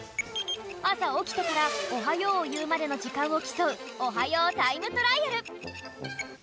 朝起きてから「おはよう」を言うまでの時間を競う「おはようタイムトライアル」。